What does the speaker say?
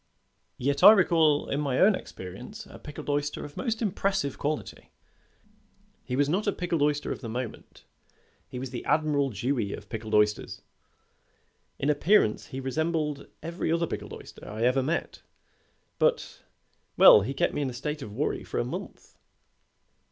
Yet I recall in my own experience a pickled oyster of most impressive quality. He was not a pickled oyster of the moment. He was the Admiral Dewey of pickled oysters. In appearance he resembled every other pickled oyster I ever met, but well, he kept me in a state of worry for a month.